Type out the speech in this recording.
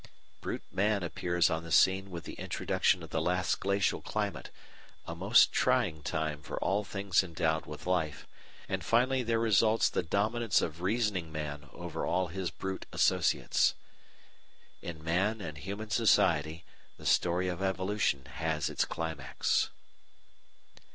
Brute man appears on the scene with the introduction of the last glacial climate, a most trying time for all things endowed with life, and finally there results the dominance of reasoning man over all his brute associates." In man and human society the story of evolution has its climax.